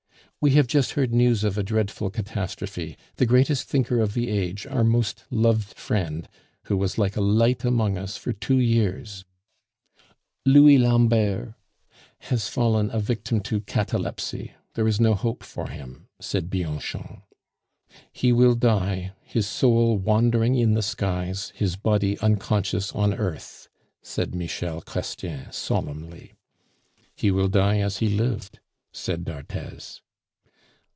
"We have just heard news of a dreadful catastrophe; the greatest thinker of the age, our most loved friend, who was like a light among us for two years " "Louis Lambert!" "Has fallen a victim to catalepsy. There is no hope for him," said Bianchon. "He will die, his soul wandering in the skies, his body unconscious on earth," said Michel Chrestien solemnly. "He will die as he lived," said d'Arthez.